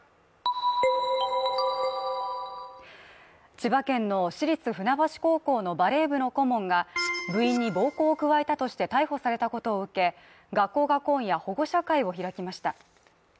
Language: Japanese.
千葉県の市立船橋高校のバレー部の顧問が部員に暴行を加えたとして逮捕されたことを受け学校が今夜、保護者会を開きました。